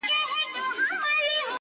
بیا یې هم -